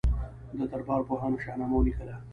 د دربار پوهانو شاهنامه ولیکله.